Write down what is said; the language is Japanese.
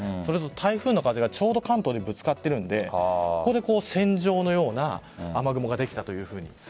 台風の風がちょうど関東にぶつかっているのでここで線状のような雨雲ができたという。